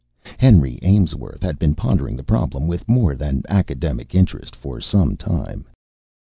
Henry Aimsworth had been pondering the problem with more than academic interest for some time.